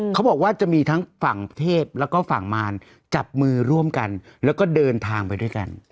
เขาบอกว่าจะมีทั้งฝั่งเทพแล้วก็ฝั่งมารจับมือร่วมกันแล้วก็เดินทางไปด้วยกัน